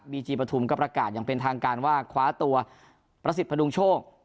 จีปฐุมก็ประกาศอย่างเป็นทางการว่าคว้าตัวประสิทธิพดุงโชค